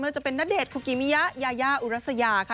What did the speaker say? ไม่ว่าจะเป็นนเดชน์ภูกิมิยายายาอุรัสยาค่ะ